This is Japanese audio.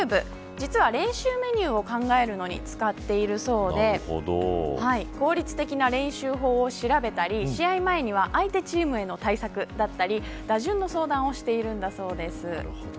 実は練習メニューを考えるのに使っているそうで効率的な練習法を調べたり試合前には相手チームへの対策だったり打順の相談をしているんだそうです。